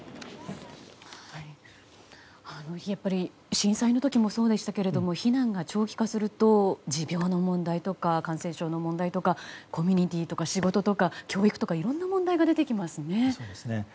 やっぱり震災の時もそうでしたけれども避難が長期化すると持病の問題とか感染症の問題とかコミュニティーとか仕事とか教育とかいろんな問題が出てきますね。